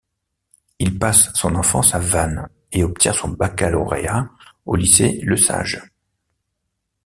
Il passe son enfance à Vannes et obtient son baccalauréat au lycée Lesage.